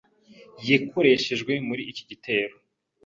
yekoreshejwe muri iki gitebo.